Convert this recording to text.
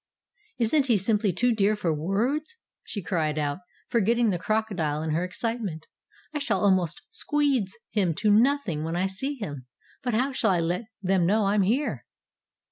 "Isn't he simply too dear for words?" she cried out, forgetting the crocodile in her excitement. "I shall almost squeedge him to nothing when I see him. But how shall I let them know I'm here?"